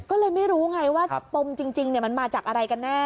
ก็เลยไม่รู้ไงว่าปมจริงมันมาจากอะไรกันแน่